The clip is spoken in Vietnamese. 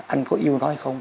anh có yêu nói không